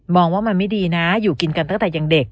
ว่ามันไม่ดีนะอยู่กินกันตั้งแต่ยังเด็ก